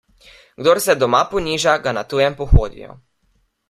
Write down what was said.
Kdor se doma poniža, ga na tujem pohodijo.